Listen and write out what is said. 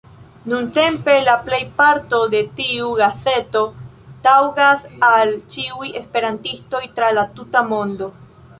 Nuntempe la plejparto de tiu gazeto taŭgas al ĉiuj esperantistoj tra la tuta mondo.